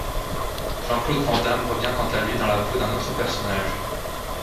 Jean-Claude Van Damme revient quant à lui dans la peau d'un autre personnage.